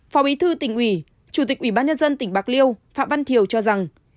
phó bí thư tỉnh ủy chủ tịch ủy ban nhân dân tỉnh bạc liêu phạm văn thiều cho rằng